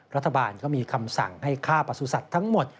รัฐบาลก็มีคำสั่งให้ฆ่าประสุทธิ์ทั้งหมด